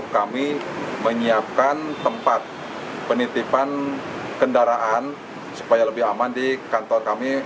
kami menyiapkan tempat penitipan kendaraan supaya lebih aman di kantor kami